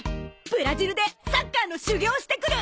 ブラジルでサッカーの修業してくる！